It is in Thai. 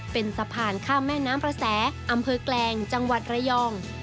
เป็นสะพานข้ามแม่น้ำประแสอำเภอแกลงจังหวัดระยอง